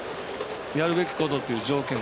やるべきことという条件が。